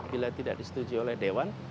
bila tidak disetujui oleh dewan